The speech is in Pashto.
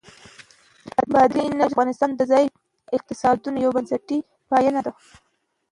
بادي انرژي د افغانستان د ځایي اقتصادونو یو بنسټیز پایایه دی.